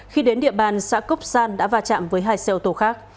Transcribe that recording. khi đến địa bàn xã cốc san đã va chạm với hai xe ô tô khác